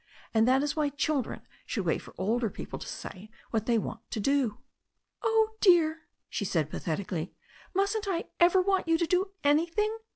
And that is why children should wait for older people to say what they want to do." "Oh, dear," she said pathetically, "mustn't I ever want you to do anything?"